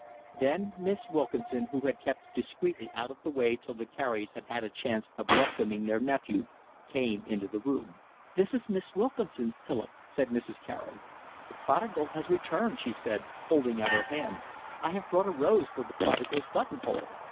Then Miss Wilkinson, who had kept discreetly out of the way till the Careys had had a chance of welcoming their nephew, came into the room. "This is Miss Wilkinson, Philip," said Mrs. Carey. "The prodigal has returned," she said, holding out her hand. "I have brought a rose for the prodigal's buttonhole."